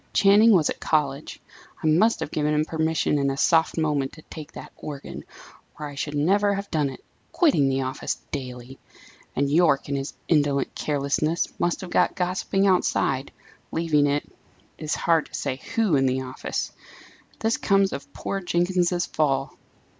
"Channing was at college I must have given him permission in a soft moment to take that organ, or I should never have done it, quitting the office daily! and, Yorke, in his indolent carelessness, must have got gossiping outside, leaving, it is hard to say who, in the office! This comes of poor Jenkins's fall!"